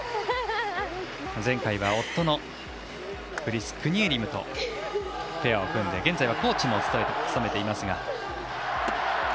前回は夫のクリス・クニエリムとペアを組んで現在はコーチも務めていますが。